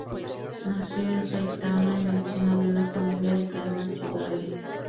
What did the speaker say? Nació en Saitama en el seno de una familia del Clan Matsudaira.